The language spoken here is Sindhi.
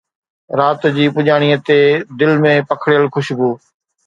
رات جي پڄاڻيءَ تي دل ۾ پکڙيل خوشبوءِ